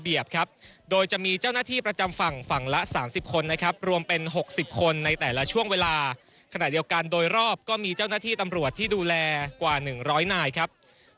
บรรยากาศในขณะนี้นะครับ